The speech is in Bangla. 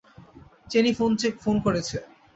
চেনি ফোন করেছে।